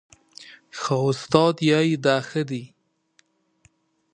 خو استاد وايي دا ښه دي